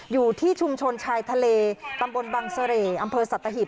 อยู่ที่ชุมชนชายทะเลตำบลบังเสร่อำเภอสัตหิบ